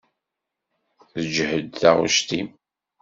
Teǧhed taɣect-im.